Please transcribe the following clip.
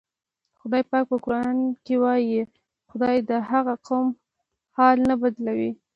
خدای پاک په قرآن کې وایي: "خدای د هغه قوم حال نه بدلوي".